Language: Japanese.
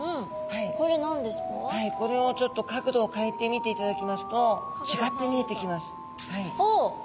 これをちょっと角度を変えて見ていただきますとちがって見えてきます。